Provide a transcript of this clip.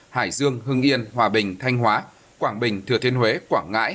hải dương hưng yên hòa bình thanh hóa quảng bình thừa thiên huế quảng ngãi